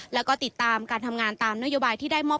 แล้วก็ติดตามการทำงานตามนโยบายที่ได้มอบ